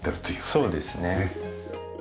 そうですね。